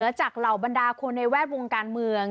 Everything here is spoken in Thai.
จากเหล่าบรรดาคนในแวดวงการเมือง